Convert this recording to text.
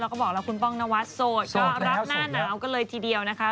เราก็บอกแล้วคุณป้องนวัดโสด